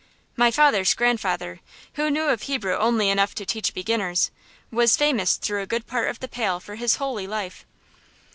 My father's grandfather, who knew of Hebrew only enough to teach beginners, was famous through a good part of the Pale for his holy life.